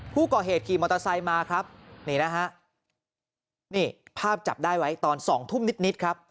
ผู้ก่อเหตุขี่มอเตอร์ไซค์มาครับนี่ภาพจับได้ไว้ตอน๒ทุ่มนิด